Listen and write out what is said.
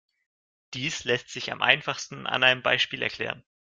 Dies lässt sich am einfachsten an einem Beispiel erklären.